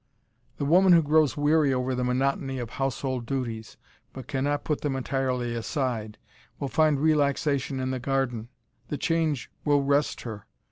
The woman who grows weary over the monotony of household duties, but cannot put them entirely aside, will find relaxation in the garden. The change will rest her.